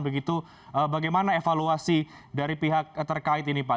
begitu bagaimana evaluasi dari pihak terkait ini pak